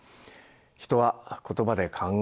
人は言葉で考え